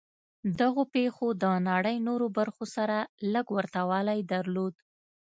دغو پېښو د نړۍ نورو برخو سره لږ ورته والی درلود